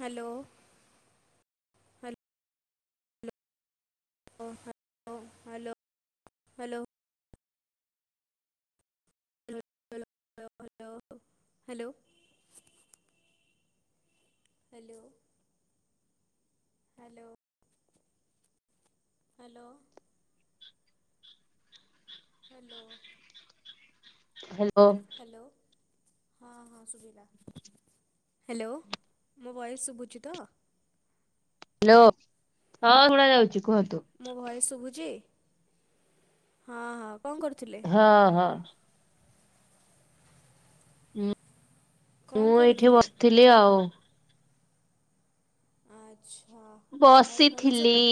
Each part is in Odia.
ହାଲୋ। ଓ ହାଲୋ ହାଲୋ ହାଲୋ। ଲୋ ଲୋ ଲୋ ଲୋ ଲୋ ହ୍ୟାଲୋ। ହାଲୋ। ହାଲୋ। [inaudible] [inaudible] [inaudible] ହାଲୋ, ହଁ ହଁ ଶୁଭିଲା। ଲୋ ମୋ ଭଏସ୍‌ ଶୁଭୁଚି ତ? ହଁ ଶୁଣା ଯାଉଚି କୁହନ୍ତୁ। ମୋ ଭଏସ୍‌ ଶୁଭୁଚି, ହଁ ହଁ କରୁଥିଲେ? ହଁ ହଁ। କଣ ମୁଁ ଏଇଠି କରୁଥିଲେ ବସ୍‌ଥିଲି ଆଉ। ଆଚ୍ଛା, ଆଉ ଭଲ ବସିଥିଲି ସବୁ।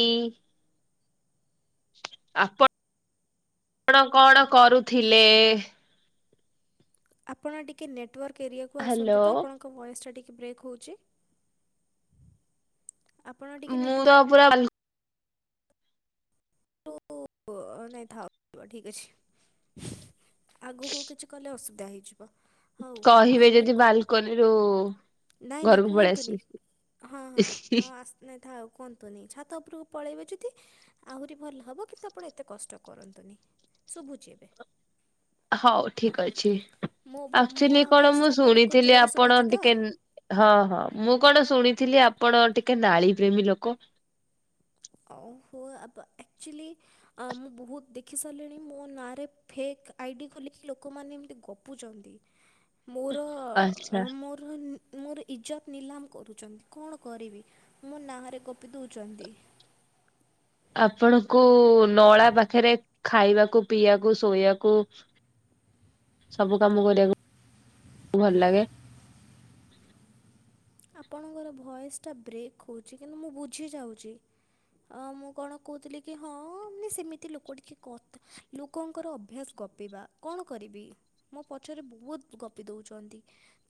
କ'ଣ କରୁଥିଲେ? ଆପଣ ଟିକେ ନେଟୱାର୍କ ଏରିଆକୁ ଆସନ୍ତୁ ହ୍ୟାଲୋ ତ। ଆପଣ ବଏସ୍‌ ଟା ଟିକେ ବ୍ରେକ୍ ହଉଚି। [inaudible] [unintelligible] ଆଗୁକୁ କିଛି କଲେ ଅସୁବି ହେଇଯିବ। ହଉ ଆ, କହିବେ ମୁଁ ଯଦି କ- ବାଲ୍କୋନି ରୁ ନାଇଁ ନାଇଁ କୁହନ୍ତୁନି, ହଁ ହଁ ହଁ ନାଇଁ ଥାଉ କୁହନ୍ତୁନି, ଛାତ ଉ--ରୁକୁ ପଳାଇବେ ଯଦି ଆହୁରି ଭଲ୍ ହବ, କିନ୍ତୁ ଆପଣ ଏତେ କଷ୍ଟ କରନ୍ତୁନି ଶୁବୁଚି ଏବେ। ହଉ ଠିକ୍ ଅଛି, ମୋ ଭ- ମୋ ଆକ୍ଟୋଲି କ'ଣ ମୁଁ ଆବାଜଟା ଆପଣଙ୍କୁ ଶୁଣିଥିଲି ଜୋରରେ ଆପଣ ଶୁଭୁଛି ତ ଟିକେ ମୁଁ କ'ଣ ଶୁଣିଥିଲି ଆପଣ ଟିକେ ନାଳି ପ୍ରେମୀ ଲୋକ। [inaudible] ମୁଁ ବହୁତ୍ ଦେଖି ସାର୍ଲିଣି ମୋ ନାଁ ରେ ଫେକ୍ ଆଇଡ଼ି ଖୋଲିକି, ଲୋକମାନେ ଏମ୍ତି ଗପୁଚନ୍ତି। ଆଚ୍ଛା। [inaudible] ମୋର ଇଜ୍ଜତ୍ ନିଲାମ କରୁଚନ୍ତି, କ'ଣ କରିବି? ମୋ ରେ ଗପି ଦଉଚନ୍ତି। ଆପଣଙ୍କୁ ନଳା ପାଖେରେ ଖାଇବାକୁ, ପିଇଆକୁ, ଶୋଇ--କୁ ସବୁ କାମ କରିବାକୁ ଭଲ୍‌ ଲାଗେ। ଆପଣଙ୍କର ଭଏସ୍‌ ଟା ବ୍ରେକ୍ ହଉଚି, କିନ୍ତୁ ମୁଁ ବୁଝିଯାଉଚି। ମୁଁ କ'ଣ କହୁଥିଲି କି, ହଁ ମାନେ ସେମିତି ଲୋକ ଟିକେ କ ଲୋକଙ୍କର ଅଭ୍ୟାସ୍‌ ଗପିବା, କଣ କରିବି? ମୋ ପଛରେ ବହୁତ୍ ଗପି ଦଉଚନ୍ତି।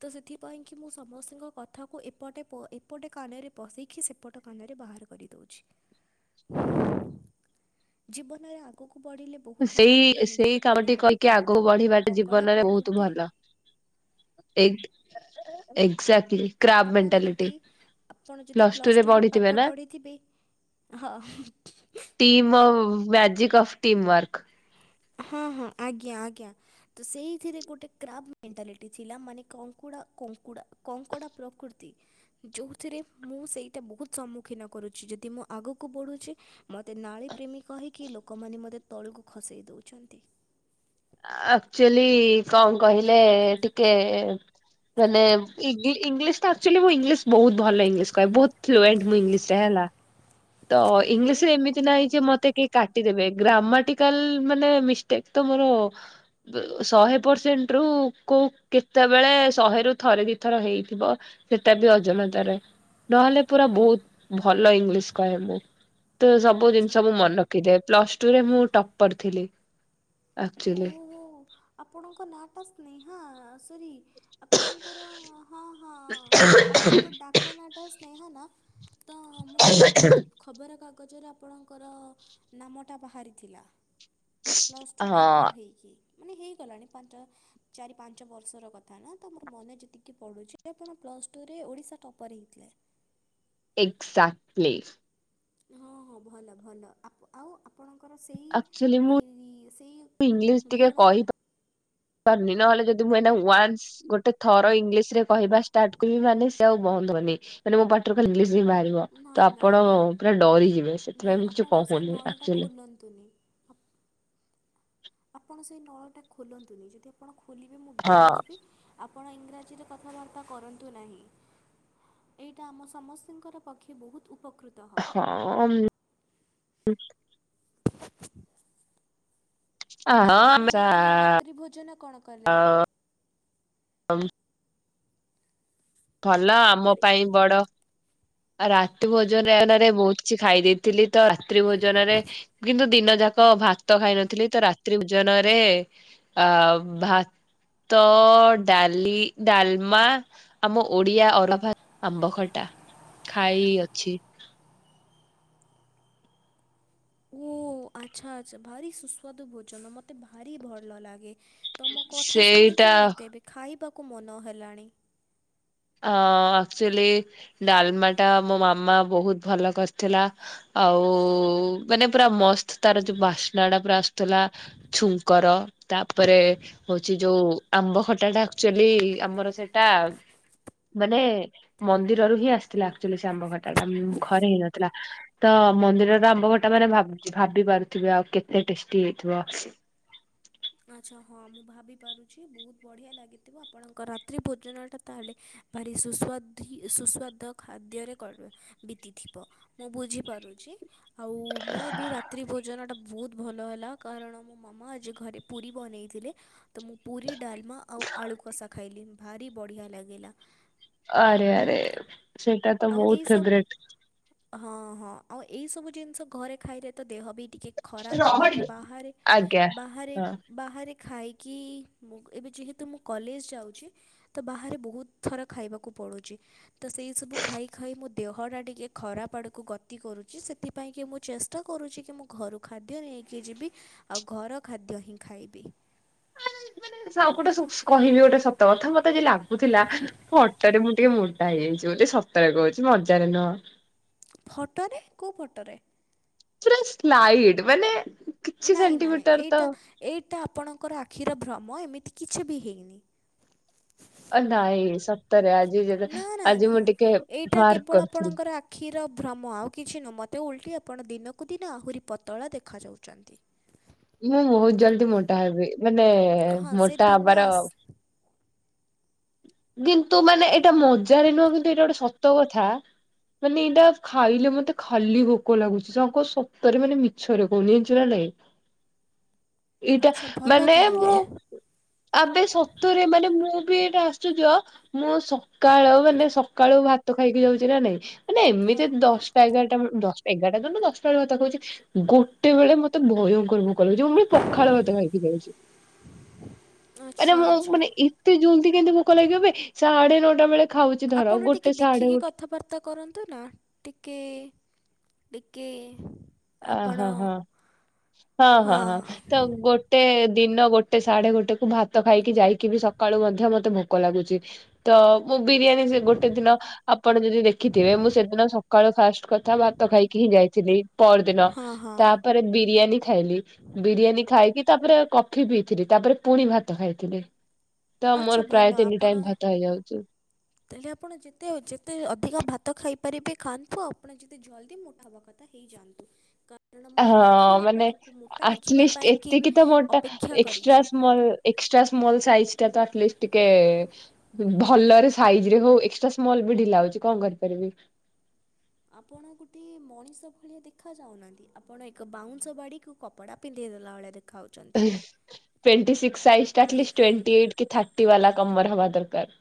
ତ ସେଥି ପାଇଁ କି ମୁଁ ସମସ୍ତ----କଥା ଏପଟେ କାନରେ ପଶେଇକି, ସେପଟ କାନରେ ବାହାର କରିଦଉଛି। ଜୀବନରେ ଆଗକୁ ବଢ଼ିଲେ ବହୁତ ଲୋକ ଗୋଡ଼ ଟାଣିବାକୁ ଥାଆନ୍ତି କଙ୍କଡ଼ା ପ୍ରକୃତି [inaudible] [inaudible] ଆପଣ ମେଣ୍ଟାଲିଟି ଯଦି, ଆପଣ ଯଦି ପ୍ଲସ ଟୁ ପ୍ଲସ୍ ରେ ଟୁରେ ପଢିଥିବେ ପାଠ ନା? ପଢ଼ିଥିବେ। Magic of team work. ହଁ ହଁ, ଆଜ୍ଞା ଆଜ୍ଞା। ତ ସେଇଥିରେ ଗୋଟେ କ୍ରାବ୍ ମେଣ୍ଟାଲିଟି ଥିଲା, ମାନେ କଙ୍କୁଡ଼ା, କଙ୍କୁଡ଼ା, କଙ୍କଡ଼ା ପ୍ରକୃତି। ଯଉ ଥିରେ ମୁଁ ସେଇଟା ବହୁତ୍ ସମ୍ମୁଖୀନ କରୁଚି, ଯଦି ମୁଁ ଆଗକୁ ବଢୁଚି। ମତେ ନାଳି ପ୍ରେମୀ କହିକି, ଲୋକମାନେ ମତେ ତଳୁକୁ ଖସେଇ ଦଉଚନ୍ତି। ଆକ୍ଚୋଲି ଙ୍କ କହିଲେ ଟିକେ ମାନେ ଇଂଲିଶ୍ ଟା ଆକ୍ଚୋଲି ମୁଁ ଇଂଲିଶ୍ ବହୁତ୍ ଭଲ ଇଂଲିଶ୍ କହେ, ବହୁତ୍ ମୁଁ ଇଂଲିଶ ରେ ହେଲା। ତ ଓକେ ଇଂଲିଶ୍ ରେ ଏମିତି ବହୁତ ନାହିଁ ଭଲ ଯେ, ମତେ କାଟି ଦେବେ, ଗ୍ରାମାଟିକାଲ୍ ମାନେ ମିଷ୍ଟେକ୍ ତ ମୋର ଶହେ ପର୍ସେଣ୍ଟ୍ ରୁ କେତବଳେ ଶହେରୁୁ ଥରେ ଦି ଥର ହେଇଥିବ। ସେଟ ବି ଅଜ---ତାରେ, ନହେଲେ ପୁରା ବହୁତ୍ ଭଲ ଇଂଲିଶ୍ କହେ ମୁଁ ତ ସବୁ ଆଚ୍ଛା ଜିନିଷ ମୁଁ ମନେ ରଖିଦିଏ ପ୍ଲସ ଟୁରେ ମୁଁ ଟପର ଥିଲି। ଆକ୍ଚୁଲି। ଓହୋ ଆପଣଙ୍କ ନାଁ ଟା ସ୍ନେହା ସରି। ଆପଣଙ୍କର ହଁ ହଁ ଆପଣଙ୍କ ଡାକ ନାଁ ଟା ସ୍ନେହା ନା? ତ ମୁଁ ଦେଖିଥିଲି ଖବରକାଗଜରେ ଆପଣଙ୍କର ନାମଟା ବାହାରିଥିଲା। ପ୍ଲସ ଟୁ ହଁ ଟପର ହେଇକି ମାନେ ହେଇଗଲାଣି ପାଞ୍ଚ। ଚାରି ପାଞ୍ଚ ବର୍ଷର କଥା ନା ତ ମୋର ମନେ ଯେତିକି ପଡ଼ୁଛି ଏ ଆପଣ ପ୍ଲସ୍ ଟୁରେ ଓଡ଼ିଶା ଟପର ହେଇଥିଲେ। ଏକ୍ଜାକ୍ଟଲି। ହଁ ହଁ ଭଲ ଭଲ ଆପ ଆଉ ଆ ଆପଣଙ୍କର ସେଇ ଆକ୍ଚୁଆଲି ମୁଁ ଇ ସେଇ ଗୁଣ। କରନି ନହେଲେ ଯଦି ମୁଁ ଏଇନା ୱାନ୍ସ ଗୋଟେ ଥର ଇଂଲିଶ ରେ କହିବା ଷ୍ଟାର୍ଟ କରିବି ମାନେ ସେ ଆଉ [unintelligible] ନି ମାନେ ମୋ ପାଟି ରୁ ଖାଲି ଇଂଲିଶ ହିଁ ବାହା ତ ନାହିଁ ନାହିଁ ଆପଣ ନାହିଁ ପୁରା ଡରିଯିବେ ସେଥିପାଇଁ ମୁଁ କିଛି କହୁନି ଆକ୍ଚୁଆଲି। ତୁନି। ଆପଣ ସେଇ ନଳଟା ଖୋଲନ୍ତୁନି ଯଦି ଆପଣ ଖୋଲିବେ ମୁଁ ହଁ। ଡରିଯିବି। ଆପଣ ଇଂରାଜୀରେ କଥାବାର୍ତ୍ତା କରନ୍ତୁ ନାହିଁ। ଏଇଟା ଆମ ସମସ୍ତଙ୍କର ପକ୍ଷେ ବହୁତ ଉପକୃ ହଁ ଉଁ। ଆଉ ହଁ ଆପଣ ଆଜି ରାତ୍ରି ଭୋଜନ କଣ କଲେ? ଭଲ ଆମ ତ୍ରେ ପାଇଁ ବଡ। ଆ ରାତି ଭୋଜନରେ ନରେ ବହୁତ କିଛି ଖାଇ ଦେଇଥିଲି ତ ରାତ୍ରି ଭୋଜନରେ। କିନ୍ତୁ ଦିନ ଯାକ ଭାତ ଖାଇନଥିଲି ତ ରାତ୍ରି ଜନ ରେ। ଆ ଭାତ, ଡାଲି, ଡାଲମା। ଆମ ଓଡିଆ ଅରୁଆ ଭା ଆମ୍ବ ଖଟା ଖାଇ ଅଛି। ଓ ଆଚ୍ଛା ଆଚ୍ଛା ଭାରି ସୁସ୍ୱାଦୁ ଭୋଜନ ମତେ ଭାରି ଭଲ ଲାଗେ। ତମ କଥା ଶୁଣିକି ସେଇଟା ମୋତେ ଏବେ ଖାଇବାକୁ ମନ ହେଲାଣି। ଅ ଆକ୍ଚୁଆଲି ଡାଲମା ଟା ମୋ ମାମା ବହୁତ ଭଲ କରିଥିଲା। ଆଉ ମାନେ ପୁରା ମସ୍ତ ତାର ଯୋଉ ବାସ୍ନା ଟା ପୁରା ଆସୁଥିଲା। ଛୁଙ୍କର ତାପରେ। ହଉଛି ଯୋଉ ଆମ୍ବ ଖଟାଟା ଆକ୍ଚୁଆଲି ଆମର ସେଇଟା। ମାନେ ମନ୍ଦିରରୁ ହିଁ ଆସିଥିଲା ଆକ୍ଚୁଆଲି ସେ ଆମ୍ବ ଖଟା ଟା ଉଁ ଘରେ ହେଇନଥିଲା। ତ ମନ୍ଦିରର ଆମ୍ବ ଖଟା ମାନେ ଭାବ ଭାବି ପାରୁଥିବେ ଆଉ କେତେ ଟେଷ୍ଟି ହେଇଥିବ। ଆଚ୍ଛା ହଁ ମୁଁ ଭାବି ପାରୁଛି ବହୁତ ବଢ଼ିଆ ଲାଗି ଥିବ ଆପଣଙ୍କ ରାତ୍ରି ଭୋଜନଟା ତାହେଲେ ଭାରି ସୁସ୍ୱାଧୀ ସୁସ୍ୱାଦ ଖାଦ୍ୟରେ କରବେ। ବିତିଥିବ ମୁଁ ବୁଝିପାରୁଛି। ଆଉ ମୁଁ ବି ରାତ୍ରି ଭୋଜନଟା ବହୁତ ଭଲ ହେଲା କାରଣ ମୋ ମାମା ଆଜି ଘରେ। ପୁରୀ ବନେଇଥିଲେ। ତ ମୁଁ ପୁରୀ, ଡାଲମା ଆଉ ଆଳୁ କଷା ଖାଇଲି ଭାରି ବଢ଼ିଆ ଲାଗିଲା। ଆରେ ଆରେ। ସେଇଟା ତ ଆଉ ବହୁତ ଏଇ ସବ। ଫେବରେଟ। ହଁ ହଁ ଆଉ ଏଇ ସବୁ ଜିନିଷ ଘରେ ଖାଇଲେ ତ ଦେହ ବି ଟିକେ। ଖରାପ ହବନି ବାହାରେ ଆଜ୍ଞା ବାହାରେ। ହଁ। ବାହାରେ ଖାଇକି ମୁଁ ଏବେ ଯେହେତୁ ମୁଁ କଲେଜ ଯାଉଛି। ତ ବାହାରେ ବହୁତ ଥର ଖାଇବାକୁ ପଡ଼ୁଛି ତ ସେଇ ସବୁ ଖାଇ ଖାଇ ମୋ ଦେହ ଟା ଟିକେ ଖରାପ ଆଡକୁ ଗତି କରୁଛି ସେଥିପାଇଁ କି ମୁଁ ଚେଷ୍ ଟା କରୁଛି କି ମୁଁ ଘରୁ ଖାଦ୍ୟ ନେଇକି ଯିବି ଆଉ ଘର ଖାଦ୍ୟ ହିଁ ଖାଇବି। ସାଉଁପଟ ସୁ କହିବି ଗୋଟେ ସ ତ କଥା ମତେ ଆଜି ଲାଗୁଥିଲା ଫଟୋ ରେ ମୁଁ ଟିକେ ମୋ ଟା ହେଇଯାଇଛି ବୋଲି ସତରେ କହୁଛି ମଜାରେ ନୁହଁ। ଫଟୋରେ କଉ ଫଟୋରେ? ପୁରା ସ୍ଲାଇଡ ମାନେ କିଛି ନାଇଁ ନାଇଁ ସେଣ୍ଟିମିଟର ତ ଏଇଟା ଏଇଟା ଆପଣଙ୍କର ଆଖିର ଭ୍ରମ ଏମିତି କିଛି ବି ହେଇନି। ଆ ନାଇଁ ସତରେ ଆଜି ଯେରେ ନା ନା ଆଜି ନା ମୁଁ ଟିକେ ମାର୍କ କରୁଥିଲି। କ୍ଷୀର ଭ୍ରମ ଆଉ କିଛି ନ ମୋତେ ଉଲ୍ଟି ଆପଣ ଦିନକୁ ଦିନ ଆହୁରି ପତଳା ଦେଖାଯାଉଚନ୍ତି। [inaudible] ମୁଁ ବହୁତ ଜଲଦି ମୋଟା ହେବି ମାନେ ହଁ ସେ ମୋଟା ଦିନ ହବାର ଆସ ଗିନ୍ତୁ ମାନେ ଏଇଟା ମଜାରେ ନୁହଁ କିନ୍ତୁ ଏଇଟା ଗୋଟେ ସତ କଥା। ମାନେ ଏଇଟା ଖାଇଲେ ମତେ ଖାଲି ଭୋକ ଲାଗୁଛି ସକ ସତରେ ମାନେ ମି ଛରେ କନଇଚୁ ନା ନାଇଁ। ଏଇଟା ଆଚ୍ଛା ଭଲ ମାନେ ତାହଲେ। ମୁଁ ଆବେ ସତରେ ମାନେ ମୁଁ ବି ଏଇଟା ଆଶ୍ଚଯ୍ୟ ମୁଁ ସ କାଳ ମାନେ ସକାଳୁ ଭାତ ଖାଇକି ଯାଉଛି ନା ନାଇଁ ମାନେ ହଁ ଏମିତି ଦଶଟା ଏଗାରଟା ବ ଦଶ ଏଗାରଟା ଜ ନ ଦଶଟା ବେଳେ ଭାତ କଉଚି ଗୋଟେ ବେଳେ ମତେ ଭୟଙ୍କର ଭୋକ ଲାଉଛି ମ ମି ପ ଖାଳ ଭାତ ଖାଇକି ଯାଉଛି ଆରେ ଆଚ୍ଛା ମ ଆଚ୍ଛା। ମାନେ ଏତେ ଜଲଦି କେମିତି ମ କ ଲାଗିବେ ସାଢେ ନଅଟା ବେଳେ ଖାଉଛି ଧର ଆପଣ ଟିକେ ଗୋଟେ ସାଢେ ଦେଖିକି ଗୋଟେ କଥାବାର୍ ତ କରନ୍ତୁ ନା ଟିକେ ଟିକେ। ଆପଣ ଅହଁ ହଁ ହଁ ହଁ ହଁ ତ ଗୋ ଟେ ଦିନ ଗୋଟେ ସାଢେ ଗୋଟେ କୁ ଭାତ ଖାଇକି ଯାଇକି ବି ସକାଳୁ ମଧ୍ୟ ମତେ ଭୋକ ଲାଗୁଛି। ତ ମୁଁ ବିରିୟାନୀ ସେ ଗୋଟେ ଦିନ ଆପଣ ଯଦି ଦେଖିଥିବେ ମୁଁ ସେଦିନ ସକାଳୁ ଫାଷ୍ଟ କଥା ଭାତ ଖାଇକି ହିଁ ଯାଇଥିଲି। ପର୍ ଦିନ ହଁ ହଁ ତାପରେ ବିରିୟାନୀ ଖାଇଲି। ବିରିୟାନୀ ଖାଇକି ତାପରେ କଫି ପିଇଥିଲି ତାପରେ ପୁଣି ଭାତ ଖାଇଥିଲି। ତ ଆଚ୍ଛା ମୋର ଭଲ ପ୍ରାୟ ତିନି ଆପଣ ଟାଇମ ଭାତ ହେଇଯାଉଛି। ତାହେଲେ ଆପଣ ଯେତେ ଯେତେ ଅଧିକା ଭାତ ଖାଇପାରିବେ ଖାଆନ୍ତୁ ଆପଣ ଯେତେ ଜଲ୍ଦି ମୋଟା ହବା କ କାତା ହେଇଯାଆନ୍ତୁ। କାରଣ ମୋ ହଁ ଆଖି ମାନେ ଆପଣଙ୍କୁ ମୋଟା ଦେଖିବା ଆଟଲିଷ୍ଟ ପାଇଁ କି ଏତିକି ତ ମୋଟା ଅପେକ୍ଷା ଏକ୍ସଟ୍ରା କରିଛି। ସ୍ମଲ। ଏକ୍ସଟ୍ରା ସ୍ମୋଲ ସାାଇଜ ଟା ତ ଆଟଲିଷ୍ଟ ଟିକେ। ଭଲରେ ସାଇଜ ରେ ହଉ ଏକ୍ସଟ୍ରା ସ୍ମଲ ବି ଢିଲା ହଉଛି କଣ କରିପାରିବି। ଆପଣ ଗୋଟେ ମଣିଷ ଭଳିଆ ଦେଖା ଯାଉନାହାନ୍ତି ଆପଣ ଏକ ବାଉଁଶ ବାଡ଼ିକୁ କପଡ଼ା ପିନ୍ଧେଇ ଦେଲା ଭଳିଆ ଦେଖା ହଉଛନ୍ତି। Twenty six size at least twenty eight କି ଥାର୍ଟି ବାଲା କମର ହବା ଦରକାର।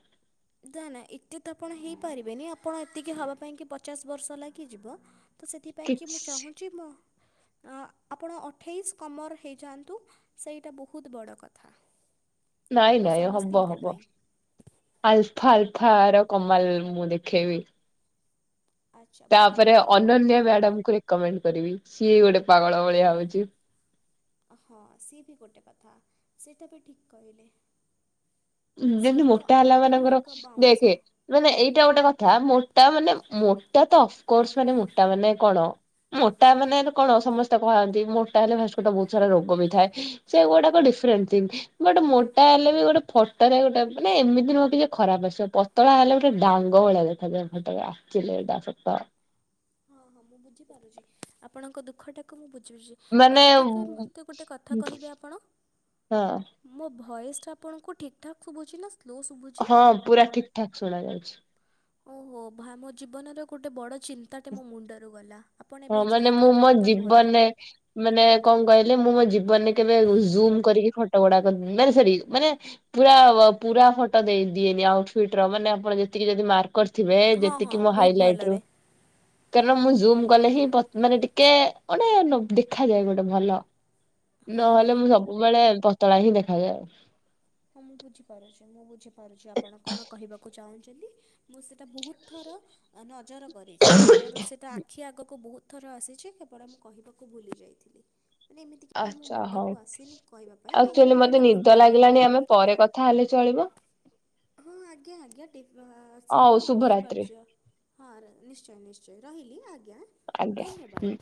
ଦା ନା ଏତେ ତ ଆପଣ ହେଇପାରିବେନି ଆପଣ ଏତିକି ହବା ପାଇଁ କି ପଚାଶ ବର୍ଷ ଲାଗିଯିବ। ତ ସେଥିପାଇଁ କି ମୁଁ କିଛି ଚାହୁଁଛି ମ ଅ ଆପଣ ଅଠେଇଶ କମର୍ ହେଇଯାଆନ୍ତୁ ସେଇଟା ବହୁତ ବଡ଼ କଥା। ହ [unintelligible] ନାଇଁ ନାଇଁ ହବ ହବ। ଆଲଫା ଆଲଫା ର କମାଲ ମୁଁ ଦେଖେଇବି। ଆଚ୍ଛା ବହୁତ ତାପରେ ଭଲ ଅନନ୍ୟା ବହୁତ ଭଲ ମ୍ୟାଡମକୁ ରି କମେଣ୍ଟ କରିବି ସିଏ ଗୋଟେ ପାଗଳ ଭଳିଆ ହଉଛି। ହଁ ସିଏ ବି ଗୋଟେ କଥା ସେଇଟା ବି ଠିକ୍ କହିଲେ। ଯେମତି ସିଏ ତ ମୋଟା ହେଲା ଆହୁରି ମାନଙ୍କର ଏକ ଦେଖେ। ବାଉଁଶ ମାନେ ଏଇଟା ଗୋଟେ କଥା ମୋଟା ମାନେ ମୋଟା ତ କରସରେ ମୋଟା ମାନେ କଣ ମୋଟା ମାନେ ଏକଣ ସମ ତ କଆନ୍ତି ମୋଟା ହେଲେ ଭାସ୍ଟ ବହୁତ ସାରା ରୋଗ ବି ଥାଏ ସେ ଗୁଡାକ ଡିଫରେଣ୍ଟ ଥିଙ୍ଗ। ବଟ୍ ମୋଟା ହେଲେ ବି ଗୋଟେ ଫଟୋ ରେ ଗୋଟେ ମାନେ ଏମିତି ନୁହଁ କି ଯେ ଖରାପ ଆସିଅ ପତଳା ହେଲେ ଗୋଟେ ଡାଙ୍ଗ ଭଳିଆ ଦେଖାଯାଏ ଫଟୋଗା। ଚିଲେଇବା ସତ। ହଁ ହଁ ମୁଁ ବୁଝିପାରୁଛି ଆପଣଙ୍କ ଦୁଃଖଟାକୁ ମୁଁ ବୁଝୁଜି। ମାନେ ବାଇ ଦ ବେ ମତେ ଗୋଟେ କଥା କହିବେ ଆପଣ। ହଁ ମୋ ଭଏସ୍ଟା ଆପଣଙ୍କୁ ଠିକ୍ ଠାକ୍ ଶୁଭୁଛି ନା ସ୍ଲୋ ସୁବୁ ହଁ ପୁରା ଠିକ ଠାକ ଶୁଣା ଯାଉଚି। ଓହୋ ଭା ମୋ ଜୀବନର ଗୋଟେ ବଡ ଚି ତା ଟେ ମୋ ମୁଣ୍ଡରୁ ଗଲା ଆପଣ ହଁ ଏବେ ମାନେ ଯାହା ମୁଁ କହିବା ମୋ କଥା କୁହନ୍ତୁ। ଜୀବନରେ ମାନେ କଣ କହିଲେ ମୁଁ ମୋ ଜୀବନରେ କେବେ ଜୁମ କରିକି ଫଟ ଗୁଡା କରିି ମାନେ ସରି ମାନେ ପୁରା ପୁରା ଫଟୋ ଦେଇଦିଏନି ଆଉଟଫିଟ ର ମାନେ ଆପଣ ଯେତିକି ଯଦି ମାର୍କ କରିଥିବେ ହଁ ହଁ ଯେତିକି ମୋ ବହୁତ ହାଇଲାଇଟ ରୁ ଭଲରେ କାରଣ ମୁଁ ଜୁମ କଲେ ହିଁ ପ ମାନେ ଟିକେ ଗୋଟେ ଦେଖାଯାଏ ଗୋଟେ ଭଲ। ହଁ ହଁ। ନହେଲେ ମୁଁ ସବୁବେଳେ ପତଳା ହିଁ ଦେଖାଯାଏ। ହଁ ମୁଁ ବୁଝିପାରୁଚି ମୁଁ ବୁଝିପାରୁଚି ଆପଣ କଣ କହିବାକୁ ଚାହୁଁଚନ୍ତି। ମୁଁ ସେଇଟା ବହୁତ ଥର ଅ ନଜର କରିଛି ମୋର ସେଇଟା ଆଖି ଆଗକୁ ବହୁତ ଥର ଆସିଛି କେବଳ ମୁଁ କହିବାକୁ ଭୁଲି ଯାଇଥିଲି। ମାନେ ଏମିତି କେବେ ମୋ ଆଛା ହଉ ମୁଣ୍ଡକୁ ଆସିନି କହିବା ପାଇଁ ନହେଲେ ଆକ୍ଚୁଆଲି ମୁଁ ଏଇଟା ମତେ ବହୁତ ନିଦ ଭଲରେ ଲାଗିଲାଣିି ଆମେ ପରେ କଥା ହେଲେ ଚଳିବ। ହଁ ଆଜ୍ଞା ଆଜ୍ଞା ଡିପ୍ ହଉ ସିଓର୍ ଓନ୍ଲି ଫର୍ ଶୁଭରାତ୍ରି ଜ ହଁ ନିଶ୍ଚୟ ନିଶ୍ଚୟ ରହିଲି ଆଜ୍ଞା। ଆଜ୍ଞା ହୁଁ। ଧନ୍ୟବାଦ